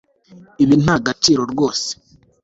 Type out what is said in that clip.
Ibi nta gaciro rwose